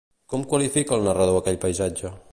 Com qualifica el narrador aquell paisatge?